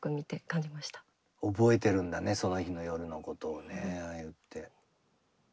覚えてるんだねその日の夜のことをねああやって。